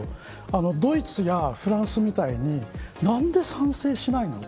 ドイツやフランスみたいになんで賛成しないの。